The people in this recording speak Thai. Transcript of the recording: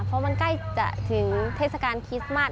เพราะมันใกล้จะถึงเทศกาลคริสต์มัส